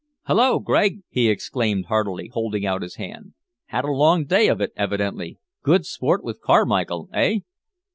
"Hulloa, Gregg!" he exclaimed heartily, holding out his hand. "Had a long day of it, evidently. Good sport with Carmichael eh?"